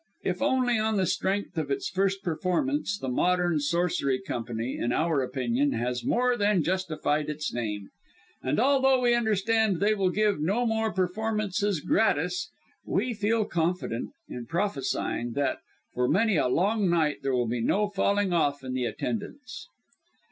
If only on the strength of its first performance, the Modern Sorcery Company, in our opinion, has more than justified its name; and although we understand they will give no more performances gratis, we feel confident in prophesying that, for many a long night, there will be no falling off in the attendance.